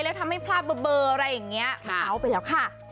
แล้วทำให้พลาดเบอร์อะไรอย่างนี้มันเอาไปแล้วค่ะ